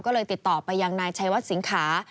ก็เลยติดต่อไปยังนายชัยวัดสิงขา